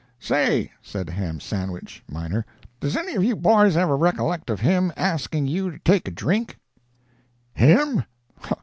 "Say," said Ham Sandwich, miner, "does any of you boys ever recollect of him asking you to take a drink?" "Him?